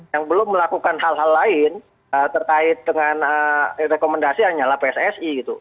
yang belum melakukan hal hal lain terkait dengan rekomendasi hanyalah pssi gitu